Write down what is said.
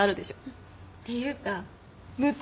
っていうか無敵？